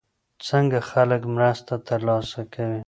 څنګه خلک مرسته ترلاسه کوي؟